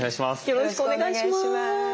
よろしくお願いします。